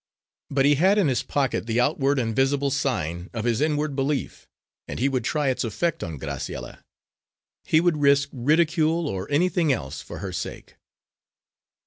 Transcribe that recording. But he had in his pocket the outward and visible sign of his inward belief, and he would try its effect on Graciella. He would risk ridicule or anything else for her sake.